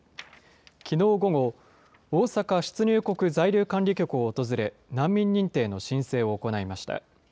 きのう午後、大阪出入国在留管理局を訪れ、難民認定の申請を行いました。